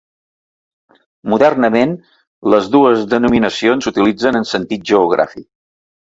Modernament, les dues denominacions s'utilitzen en sentit geogràfic.